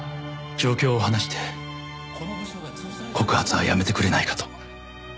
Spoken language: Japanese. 状況を話して告発はやめてくれないかと。